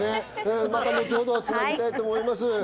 また後ほど、つなぎたいと思います。